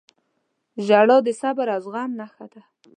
• ژړا د صبر او زغم نښه ده.